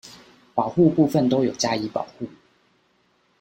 保護部分都有加以保護